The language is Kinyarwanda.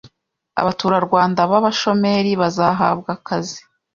abaturarwanda b’abashomeri bazahabwa akazi,